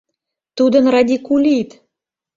Тудын радикулит!